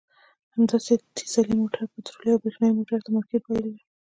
همداسې ډیزلي موټر پټرولي او برېښنایي موټر ته مارکېټ بایللی.